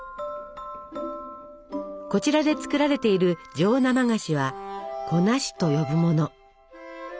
こちらで作られている上生菓子は「こなし」と呼ぶもの。